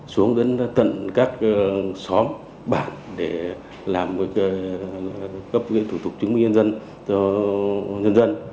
xuống đến tận các xóm bản để làm cấp thủ tục chứng minh nhân dân cho nhân dân